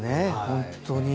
本当に。